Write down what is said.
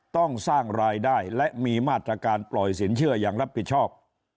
ต้องสร้างรายได้และมีมาตรการปล่อยสินเชื่ออย่างรับผิดชอบ